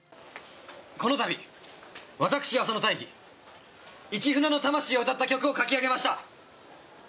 このたび私、浅野大義市船の魂を歌った曲を書き上げました。